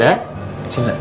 di sini pak